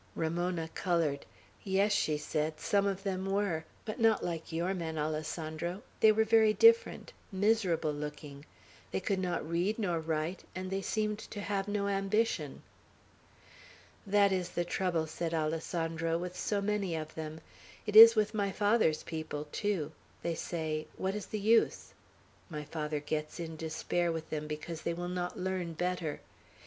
Ramona colored. "Yes," she said, "some of them were, but not like your men, Alessandro. They were very different; miserable looking; they could not read nor write, and they seemed to have no ambition." "That is the trouble," said Alessandro, "with so many of them; it is with my father's people, too. They say, 'What is the use?' My father gets in despair with them, because they will not learn better.